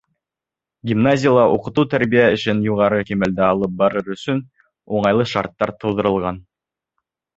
Гимназияла уҡытыу-тәрбиә эшен юғары кимәлдә алып барыр өсөн уңайлы шарттар тыуҙырылған.